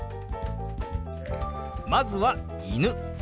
まずは「犬」。